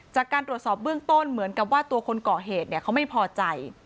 จากการตรวจสอบเบื้องต้นเหมือนกับว่าตัวคนก่อเหตุเขาไม่พอใจ